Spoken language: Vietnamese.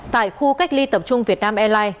tại khu cách ly tập trung việt nam airline